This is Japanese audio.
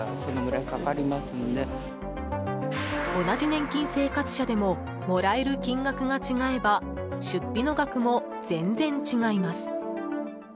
同じ年金生活者でももらえる金額が違えば出費の額も全然違います。